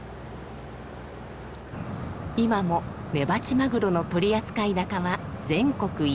今もメバチマグロの取扱高は全国一。